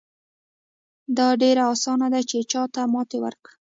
دا ډېره اسانه ده چې چاته ماتې ورکړو.